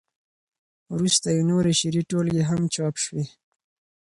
وروسته یې نورې شعري ټولګې هم چاپ شوې.